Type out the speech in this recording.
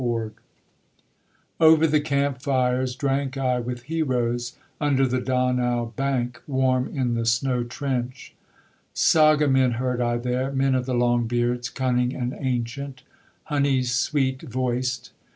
400 Over the camp fires Drank I with heroes, Under the Donau bank, Warm in the snow trench: Sagamen heard I there, Men of the Longbeards, Cunning and ancient, Honey sweet voiced.